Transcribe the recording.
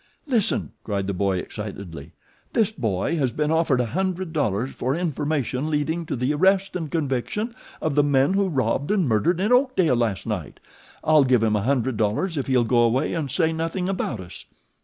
"Listen!" cried the boy excitedly. "This boy has been offered a hundred dollars for information leading to the arrest and conviction of the men who robbed and murdered in Oakdale last night. I'll give him a hundred dollars if he'll go away and say nothing about us."